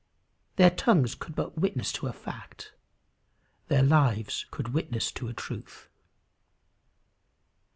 Their tongues could but witness to a fact; their lives could witness to a truth.